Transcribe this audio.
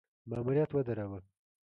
ماموریت ودراوه.